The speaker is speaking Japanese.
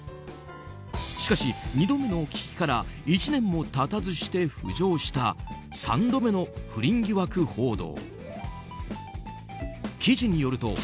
しかし、２度目の危機から１年も経たずして浮上した３度目の不倫疑惑報道。